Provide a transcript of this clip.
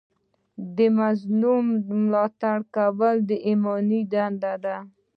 د مظلوم ملاتړ کول ایماني دنده ده.